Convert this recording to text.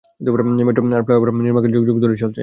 Metro আর flyover নির্মাণকাজ যুগ যুগ ধরেই চলছে।